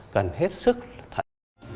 cần hết sức là thận